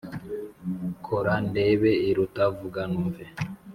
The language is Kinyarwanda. Kora ndebe iruta vuga numve.